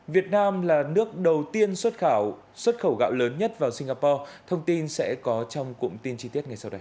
việt nam là nước đầu tiên xuất khẩu gạo lớn nhất vào singapore thông tin sẽ có trong cụm tin chi tiết ngay sau đây